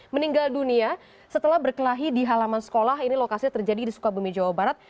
meninggal dunia setelah berkelahi di halaman sekolah ini lokasinya terjadi di sukabumi jawa barat